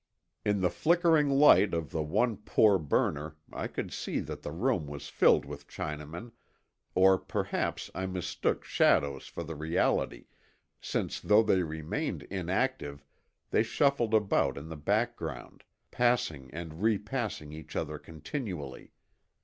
In the flickering light of the one poor burner I could see that the room was filled with Chinamen, or perhaps I mistook shadows for the reality, since though they remained inactive they shuffled about in the background, passing and repassing each other continually.